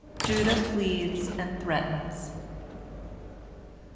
JUDAH PLEADS AND THREATENS.